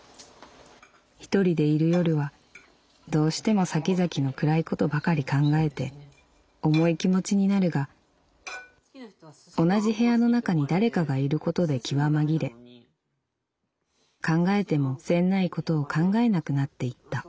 「一人でいる夜はどうしても先々の暗いことばかり考えて重い気持ちになるが同じ部屋の中に誰かがいることで気は紛れ考えても詮無いことを考えなくなっていった」。